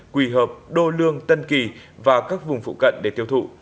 quỳ hợp đô lương tân kỳ và các vùng phụ cận để tiêu thụ